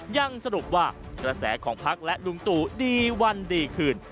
ยังสรุปว่ากระแสของพักและลุงตู่ดีวันดีคืน